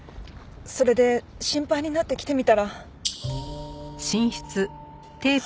それで心配になって来てみたら。